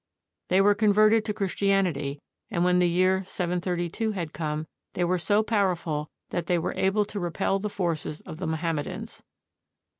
They were converted to Chris tianity; and when the year 732 had come, they were so powerful that they were able to repel the forces of the Mo hammedans.